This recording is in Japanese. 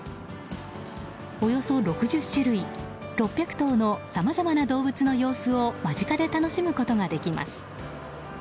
およそ６０種類６００頭のさまざまな動物の様子を間近で楽しむことができます。